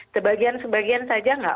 sebagian sebagian saja nggak